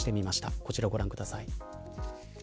こちらをご覧ください。